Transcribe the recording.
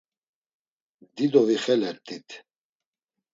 Dido vixelert̆it.